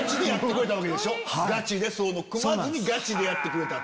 組まずにガチでやってくれた。